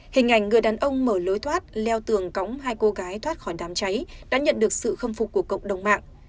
hình ảnh người đàn ông mở lối thoát leo tường cóng hai cô gái thoát khỏi đám cháy đã nhận được sự khâm phục của cộng đồng mạng